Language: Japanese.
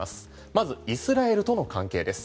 まずイスラエルとの関係です。